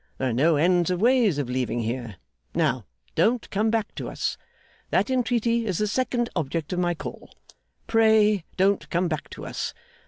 There are no ends of ways of leaving here. Now, don't come back to us. That entreaty is the second object of my call. Pray, don't come back to us.